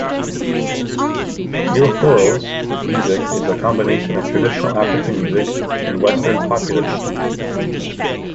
Eyuphuro's music is a combination of traditional African music and western popular music.